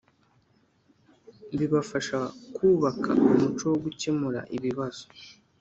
bibafasha kubaka umuco wo gukemura ibibazo,